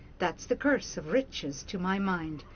That's the curse of riches to my mind.